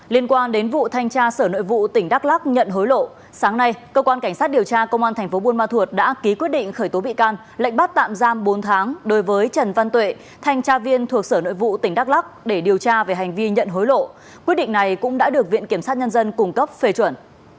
liên quan đến vụ thanh tra sở nội vụ tỉnh đắk lắc nhận hối lộ sáng nay cơ quan cảnh sát điều tra công an thành phố buôn ma thuột đã ký quyết định khởi tố bị can lệnh bắt tạm giam bốn tháng đối với trần văn tuệ thanh tra viên thuộc sở nội vụ tỉnh đắk lắc để điều tra về hành vi nhận hối lộ quyết định này cũng đã được viện kiểm sát nhân dân cung cấp phê chuẩn